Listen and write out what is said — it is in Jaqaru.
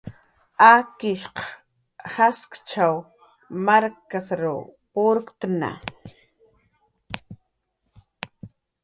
Akishq jaskichkasw markasrw purktna